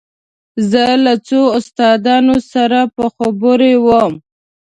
زه له څو استادانو سره په خبرو وم.